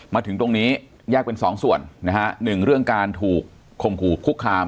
มาถึงตรงนี้แยกเป็นสองส่วนนะฮะหนึ่งเรื่องการถูกข่มขู่คุกคาม